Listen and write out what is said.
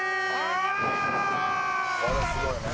「これすごいね」